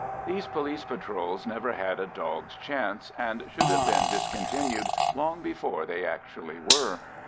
These police patrols never had a dog's chance, and should have been discontinued long before they actually were.